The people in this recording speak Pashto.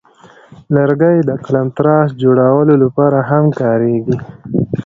لرګی د قلمتراش جوړولو لپاره هم کاریږي.